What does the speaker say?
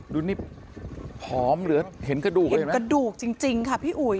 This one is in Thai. ดูนี่ผอมเหลือเห็นกระดูกเห็นไหมกระดูกจริงจริงค่ะพี่อุ๋ย